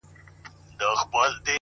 • د کراري مو شېبې نه دي لیدلي ,